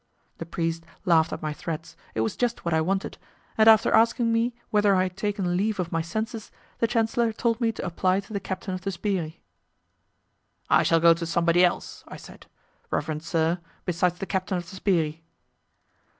The priest laughed at my threats; it was just what I wanted, and after asking me whether I had taken leave of my senses, the chancellor told me to apply to the captain of the 'sbirri'. "I shall go to somebody else," I said, "reverend sir, besides the captain of the 'sbirri'."